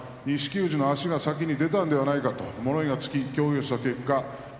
富士が足が先に出たのではないかと物言いがつきましたが錦